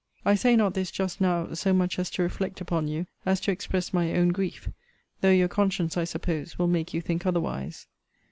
I say not this, just now, so much to reflect upon you as to express my own grief; though your conscience I suppose, will make you think otherwise.